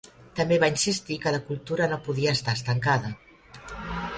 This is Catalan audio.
També va insistir que la cultura no podia estar estancada.